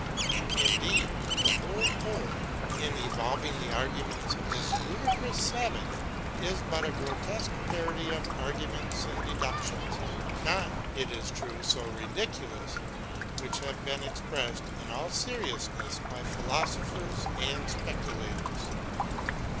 Indeed, the whole poem, in evolving the arguments of this ludicrous savage, is but a grotesque parody of arguments and deductions — not, it is true, so ridiculous — which have been expressed in all seriousness by philosophers and speculators.